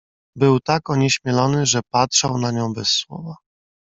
"Był tak onieśmielony, że patrzał na nią bez słowa."